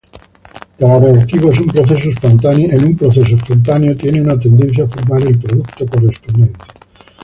Cada reactivo en un proceso espontáneo tiene una tendencia a formar el producto correspondiente.